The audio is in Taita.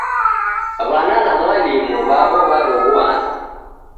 W'ana na mwalimu w'aw'o w'aroghuana